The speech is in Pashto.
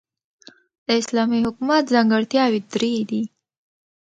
د اسلامی حکومت ځانګړتیاوي درې دي.